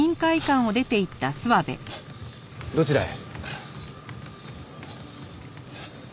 どちらへ？